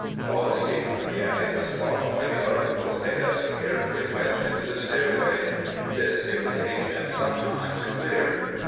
"All escape from the attic was blocked by the articles they had so carefully wedged into the stairway. This it would take them some time to clear.